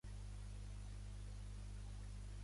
L'Arús tot escuat quan li diuen que es diu rutlla.